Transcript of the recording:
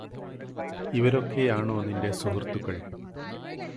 ഇവരൊക്കെയാണോ നിന്റെ സുഹൃത്തുക്കൾ